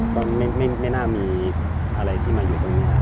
ก็ไม่น่ามีอะไรที่มาอยู่ตรงนี้